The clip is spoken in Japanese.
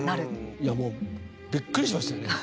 いや、もうびっくりしましたよ。